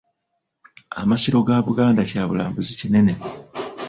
Amasiro ga Buganda kya bulambuzi kinene.